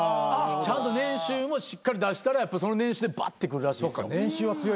ちゃんと年収もしっかり出したらその年収でバッて来るらしいですよ。